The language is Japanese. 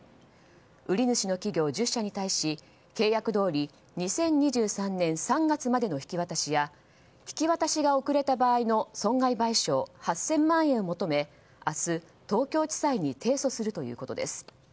売り主の企業１０社に対し契約どおり２０２３年３月までの引き渡しや引き渡しが遅れた場合の損害賠償８０００万円を求め明日、東京地裁に提訴するということです。